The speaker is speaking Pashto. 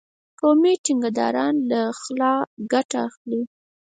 قومي ټيکه داران له خلا ګټه اخلي.